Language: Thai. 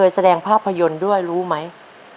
แสดงภาพยนตร์ด้วยรู้ไหม